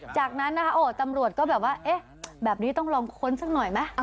จากนั้นตำรวจก็แบบว่าแบบนี้ต้องลองค้นซักหน่อยมั้ย